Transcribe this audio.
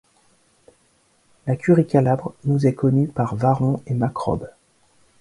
La curie calabre nous est connue par Varron et Macrobe.